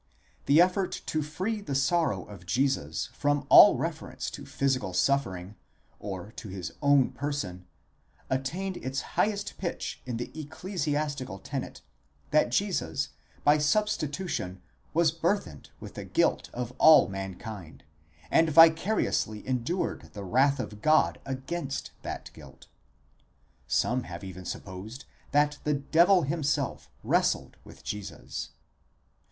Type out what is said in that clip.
The effort to free the sorrow of Jesus from all reference to physical suffering, or to his own person, attained its highest pitch in the ecclesiastical tenet, that Jesus by substitution was burthened with the guilt of all mankind, and vicariously endured the wrath of God against that guilt.7 Some have even supposed that the devil himself wrestled with Jesus.